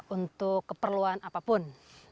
untuk keperluan apapun